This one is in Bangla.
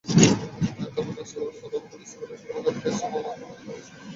তারপর রাসূলুল্লাহ সাল্লাল্লাহু আলাইহি ওয়াসাল্লাম এসে বললেন, হে সুমামা, তুমি কী ভাবছো?